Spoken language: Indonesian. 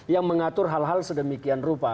yang mengatur hal hal sedemikian rupa